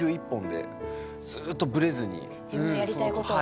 自分のやりたいことをね。